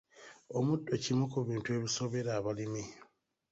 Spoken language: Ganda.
Omuddo kimu ku bintu ebisobera abalimi.